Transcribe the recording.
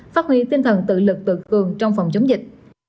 phát huy tinh thần tự lực tự cường trong phòng chống dịch